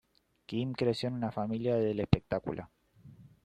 Kim creció en una familia del espectáculo.